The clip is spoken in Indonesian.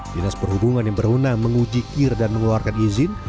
dinas perhubungan yang berhuna mengujikir dan mengeluarkan izin